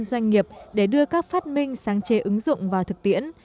doanh nghiệp để đưa các phát minh sáng chế ứng dụng vào thực tiễn